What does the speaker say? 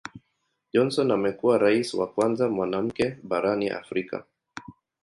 Johnson amekuwa Rais wa kwanza mwanamke barani Afrika.